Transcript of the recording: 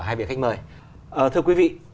hai vị khách mời thưa quý vị